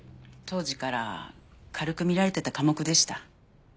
当時から軽く見られてた科目でした。